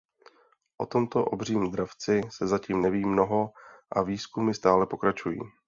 O tomto obřím dravci se zatím neví mnoho a výzkumy stále pokračují.